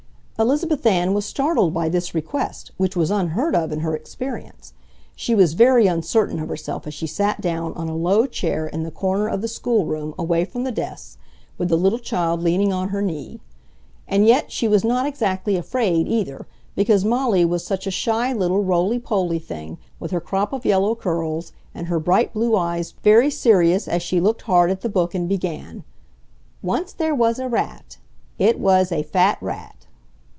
Elizabeth Ann was startled by this request, which was unheard of in her experience. She was very uncertain of herself as she sat down on a low chair in the corner of the schoolroom away from the desks, with the little child leaning on her knee. And yet she was not exactly afraid, either, because Molly was such a shy little roly poly thing, with her crop of yellow curls, and her bright blue eyes very serious as she looked hard at the book and began: "Once there was a rat. It was a fat rat."